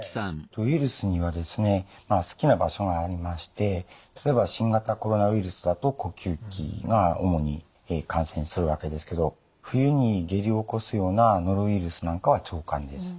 ウイルスには好きな場所がありまして例えば新型コロナウイルスだと呼吸器が主に感染するわけですけど冬に下痢を起こすようなノロウイルスなんかは腸管です。